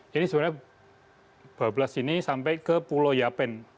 jadi sebenarnya dua belas sini sampai ke pulau yapen